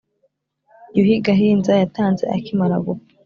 yuhi gahima yatanze akimara gupfa